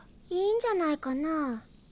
いいんじゃないかな。